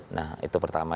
nah itu pertama